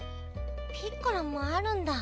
ピッコラもあるんだ。